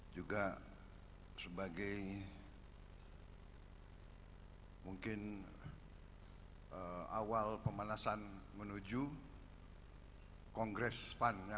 juga sebagai mungkin awal pemanasan menuju kongres pan yang akan datang